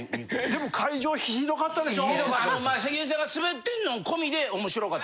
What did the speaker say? でも会場ひどかったでしょ？